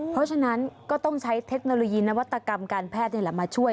เพราะฉะนั้นก็ต้องใช้เทคโนโลยีนวัตกรรมการแพทย์นี่แหละมาช่วย